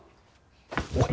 おい！